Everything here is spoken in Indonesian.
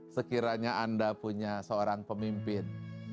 sekiranya anda punya seorang pemimpin